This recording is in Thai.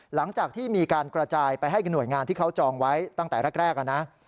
หลังจากที่มีการกระจายไปให้กับหน่วยงานที่เขาจองไว้ตั้งแต่แรกนะ